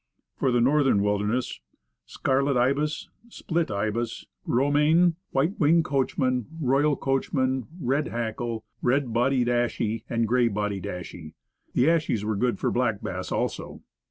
For the Northern Wilderness: Scarlet ibis, split ibis, Ro meyn, white winged coachman, royal coachman, red hackle, red bodied ashy and gray bodied ashy. The ashies were good for black bass also.